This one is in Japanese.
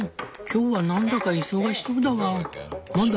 今日はなんだか忙しそうだワン。